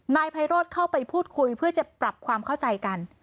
นายไพโรธเข้าไปพูดคุยเพื่อจะปรับความเข้าใจกัน